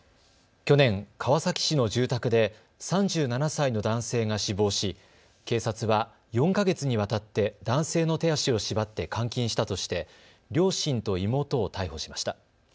去年、川崎市の住宅で３７歳の男性が死亡し警察は４か月にわたって男性の手足を縛って監禁したとして両親と妹を逮捕しました。